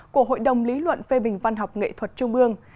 của hội đồng lý luận phê bình văn học nghệ thuật trung ương